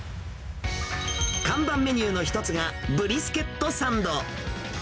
看板メニューの一つが、ブリスケットサンド。